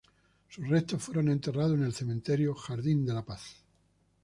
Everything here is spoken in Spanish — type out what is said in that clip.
Sus restos fueron enterrados en el cementerio "Jardín de Paz".